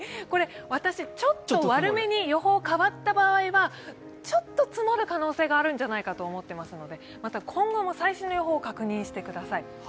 これ私ちょっと悪めに予報が変わった場合は、ちょっと積もる可能性があるんじゃないかと思っていますので、今後も最新の予報を確認してください。